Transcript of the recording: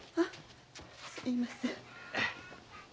すみません。